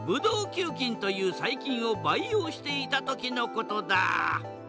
球菌という細菌を培養していた時のことだ。